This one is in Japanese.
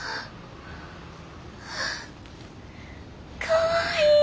かわいい。